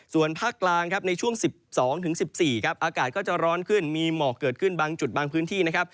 ส่วนภาคกลางครับในช่วง๑๒๑๔ครับอากาศก็จะร้อนขึ้นมีหมอกเกิดขึ้นบางจุดบางพื้นที่นะครับ